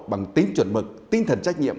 bằng tính chuẩn mực tinh thần trách nhiệm